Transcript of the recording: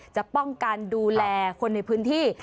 จะป้องกันดูแลคนในพื้นที่